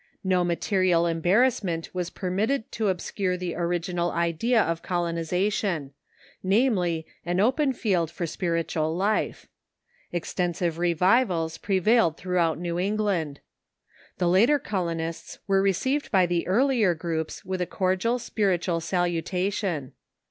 No material embarrassment Avas permitted to obscure the original idea of colonization — namely, an open field for spir Religious Zeal .,,.„^., i i i i itual life. IliXtensive revivals prevailed throughout New England. The later colonists were received by the ear lier groups with a cordial spiritual salutation.